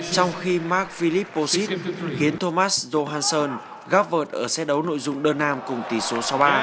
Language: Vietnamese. trong khi marc philippe posit khiến thomas johansson gác vợt ở set đấu nội dung đơn nam cùng tỷ số sáu ba